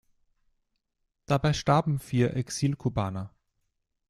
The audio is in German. Dabei starben vier Exilkubaner.